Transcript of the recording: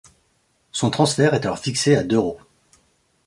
Son transfert est alors fixé à d'euros.